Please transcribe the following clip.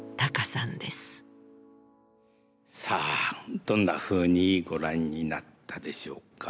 さあどんなふうにご覧になったでしょうか。